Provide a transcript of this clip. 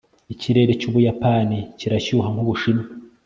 Ikirere cyUbuyapani kirashyuha nkUbushinwa